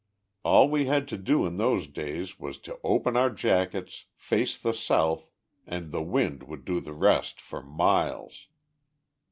All we had to do in those days was to open our jackets, face the south, and the wind would do the rest for miles.